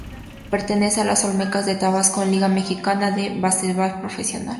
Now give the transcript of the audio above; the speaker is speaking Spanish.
Pertenece a los olmecas de tabasco en la liga Mexicana de baseball profesional.